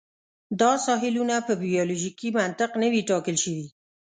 دا ساحلونه په بیولوژیکي منطق نه وې ټاکل شوي.